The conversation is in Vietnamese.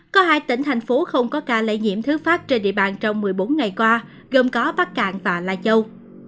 có hai tỉnh thành phố không có ca lây nhiễm thứ phát trên địa bàn trong một mươi bốn ngày qua gồm có bắc cạn và lai châu